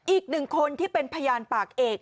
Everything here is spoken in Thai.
อีก๑คนที่เป็นพยานปากเอก